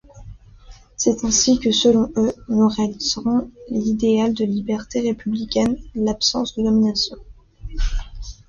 C'est ainsi que, selon eux, nous réaliserons l'idéal de liberté républicaine, l'absence de domination.